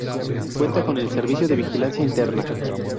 Cuenta con servicio de vigilancia interna.